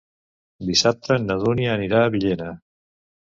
Dissabte na Dúnia anirà a Villena.